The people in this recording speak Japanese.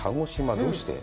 どうして？